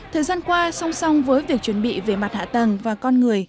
thời gian qua song song với việc chuẩn bị về mặt hạ tầng và con người